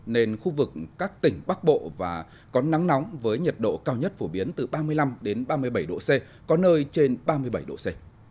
nên khu vực các tỉnh bắc bộ và có nắng nóng với nhiệt độ cao nhất phổ biến từ ba mươi năm ba mươi bảy độ c có nơi trên ba mươi bảy độ c